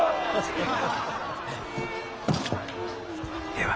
では。